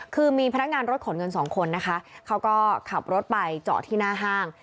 คือมีพนักงานรถขนเงินสองคนนะคะเขาก็ขับรถไปจอดที่หน้าห้าง